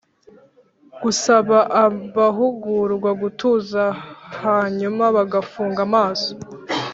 Gusaba abahugurwa gutuza hanyuma bagafunga amaso